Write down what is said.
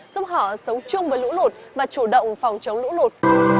giúp họ sống chung với lũ lụt và chủ động phòng chống lũ lụt